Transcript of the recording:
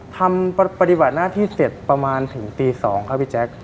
ทำปฏิบัติหน้าที่เสร็จประมาณถึงตี๒ครับพี่แจ๊ค